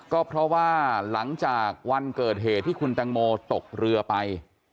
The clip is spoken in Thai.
ก็เพราะว่าหลังจากวันเกิดเหตุที่คุณแตงโมตกเรือไป